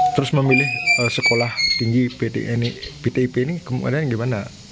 terus memilih sekolah tinggi ptip ini kemarin gimana